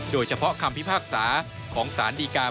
เฉพาะคำพิพากษาของสารดีการ